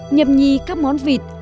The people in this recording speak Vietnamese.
nhập nhì các món vịt